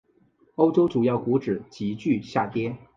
欧洲主要股指急剧下跌。